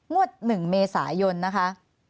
มวด๑เมษายนนะคะ